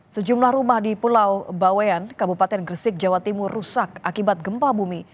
sejumlah rumah di pulau bawean kabupaten gresik jawa timur rusak akibat gempa bumi